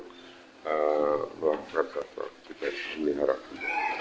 melakukan aktivitas penyiharaan kuda